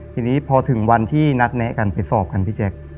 ทีนี้พอถึงวันที่นัดแนะกันไปสอบกันพี่แจ๊ค